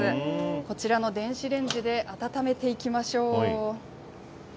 こちらの電子レンジで温めていきましょう。